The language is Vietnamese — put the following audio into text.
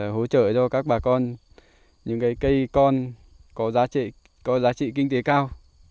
hỗ trợ cho các bà con những cây con có giá trị kinh tế cao